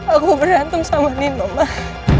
aku berantem sama nino mbak